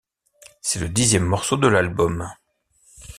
C’est le dixième morceau de l’album.